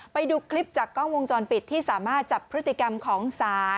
ไปดูคลิปจากกล้องวงจรปิดที่สามารถจับพฤติกรรมของศาล